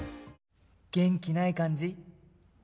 元気ない感じ？